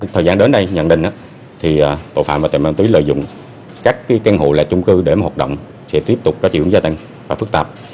thời gian đến nay nhận định tội phạm và tài nạn ma túy lợi dụng các căn hộ là chung cư để hoạt động sẽ tiếp tục có triệu gia tăng và phức tạp